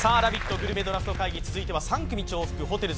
グルメドラフト会議、続いては３組重複Ｈｏｔｅｌ